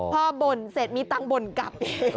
พอบ่นเสร็จมีตังค์บ่นกลับ